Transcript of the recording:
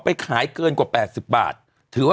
เป็นการกระตุ้นการไหลเวียนของเลือด